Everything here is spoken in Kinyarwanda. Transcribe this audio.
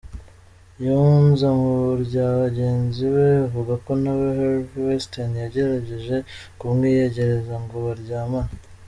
Yunze mu rya bagenzi be avuga ko nawe Harvey Weinstein yagerageje kumwiyegereza ngo baryamane.